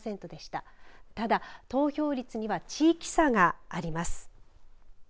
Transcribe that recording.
ただ投票率には地域差があります。